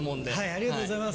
ありがとうございます。